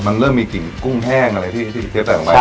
มันเริ่มมีกลิ่นกุ้งแห้งอะไรที่เชฟใส่ลงไป